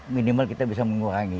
minimal kita bisa mengurangi